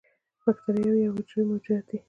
بکتریاوې یو حجروي موجودات دي